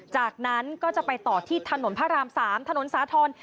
จากนั้นก็จะไปต่อที่ถนนพระราม๓ถนนสาธรณ์